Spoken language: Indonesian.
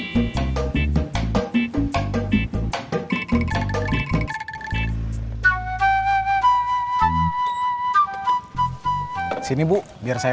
kenapa bewusstu aja kan institutionsnya